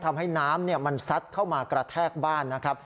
ทำให้น้ำมันซัดเข้ามากระแทกบ้านนะครับ